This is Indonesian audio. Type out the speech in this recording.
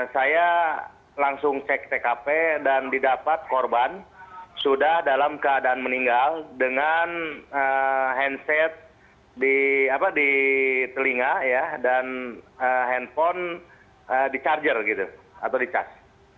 saya langsung cek tkp dan didapat korban sudah dalam keadaan meninggal dengan handset di telinga dan handphone di charger gitu atau di cas